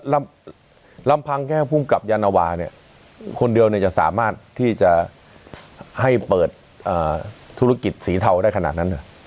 และลำพังแก้ภูมิกับหญวาคนเดียวสามารถที่จะให้เปิดธุรกิจสีเทาได้ขนาดนั้น